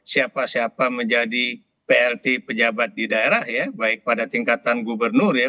siapa siapa menjadi plt pejabat di daerah ya baik pada tingkatan gubernur ya